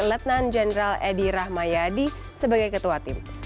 letnan jenderal edi rahmayadi sebagai ketua tim